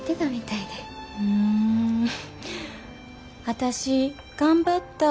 「私頑張ったぁ」